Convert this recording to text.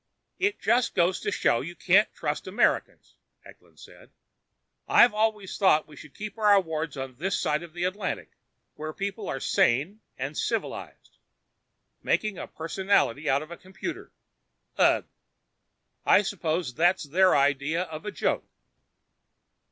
"It just goes to show that you can't trust Americans," Eklund said. "I've always thought we should keep our awards on this side of the Atlantic where people are sane and civilized. Making a personality out of a computer ugh! I suppose it's their idea of a joke."